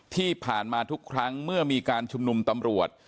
ที่ผ่านมาทุกครั้งเมื่อมีการชุมนุมตำรวจ